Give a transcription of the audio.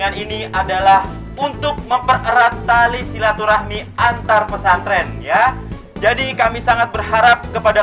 ini adalah untuk mempererat tali silaturahmi antar pesantren ya jadi kami sangat berharap kepada